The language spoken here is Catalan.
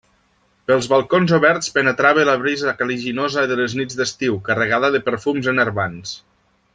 Pels balcons oberts penetrava la brisa caliginosa de les nits d'estiu, carregada de perfums enervants.